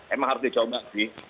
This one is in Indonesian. emang harus dicoba sih